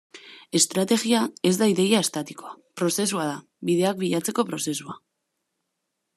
Estrategia ez da ideia estatikoa; prozesua da, bideak bilatzeko prozesua.